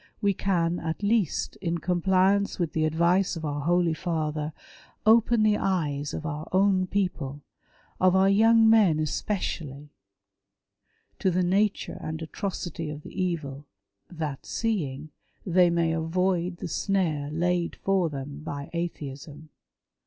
We can, at least, in com pliance with the advice of our Holy Father, open the eyes of our own people, of our young men especially, to the nature and FREEMASONRY WITH OURSELVES. 121 atrocity of the evil, that seeing, they may avoid the snare hiid for them by Atheism.